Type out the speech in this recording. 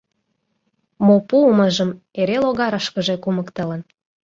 Мо пуымыжым эре логарышкыже кумыктылын.